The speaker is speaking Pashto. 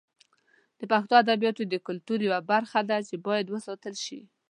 د پښتو ادبیات د کلتور یوه برخه ده چې باید وساتل شي.